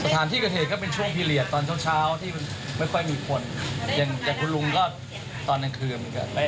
แต่คุณลุงก็ตอนหน้าคืนเหมือนกัน